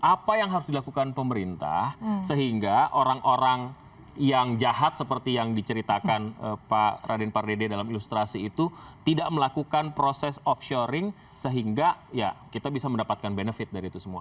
apa yang harus dilakukan pemerintah sehingga orang orang yang jahat seperti yang diceritakan pak raden pardede dalam ilustrasi itu tidak melakukan proses offshoring sehingga ya kita bisa mendapatkan benefit dari itu semua